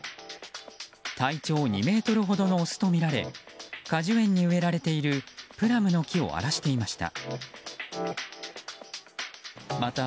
体長２ｍほどのオスとみられ果樹園に植えられているプラムの木を荒らしていました。